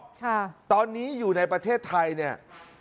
ค่ะตอนนี้อยู่ในประเทศไทยเนี่ย